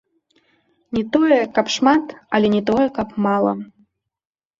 Не тое, каб шмат, але не тое, каб мала.